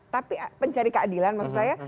tapi pencari keadilan maksud saya